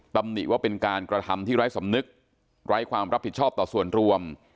ตำหนิว่าเป็นการกระทำที่ไร้สำนึกไร้ความรับผิดชอบต่อส่วนรวม